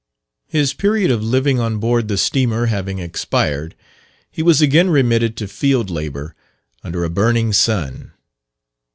His period of living on board the steamer having expired, he was again remitted to field labour, under a burning sun.